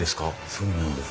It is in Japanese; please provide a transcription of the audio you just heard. そうなんです。